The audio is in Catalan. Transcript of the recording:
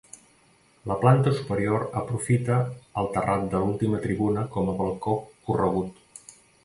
La planta superior aprofita el terrat de l'última tribuna com a balcó corregut.